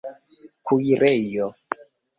kuirejo